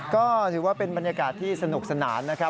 ก็ถือว่าเป็นบรรยากาศที่สนุกสนานนะครับ